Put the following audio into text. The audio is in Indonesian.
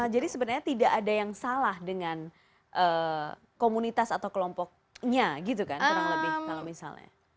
jadi sebenarnya tidak ada yang salah dengan komunitas atau kelompoknya gitu kan kurang lebih kalau misalnya